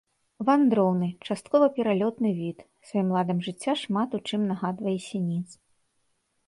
Вандроўны, часткова пералётны від, сваім ладам жыцця шмат у чым нагадвае сініц.